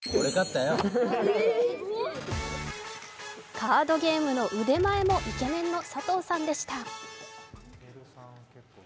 カードゲームの腕前もイケメンの佐藤さんでした。